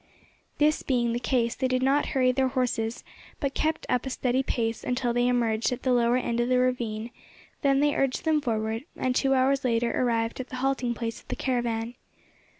This being the case, they did not hurry their horses, but kept up a steady pace until they emerged at the lower end of the ravine; then they urged them forward, and two hours later arrived at the halting place of the caravan.